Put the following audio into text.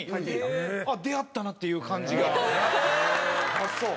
あっそう。